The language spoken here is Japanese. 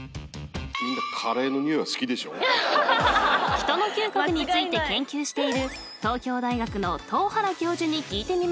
［人の嗅覚について研究している東京大学の東原教授に聞いてみました］